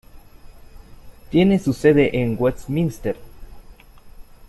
Tiene su sede en Westminster.